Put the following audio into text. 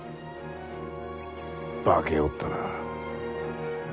化けおったな。